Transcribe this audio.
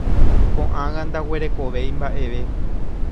Ko'ág̃a ndaguerekovéi mba'eve.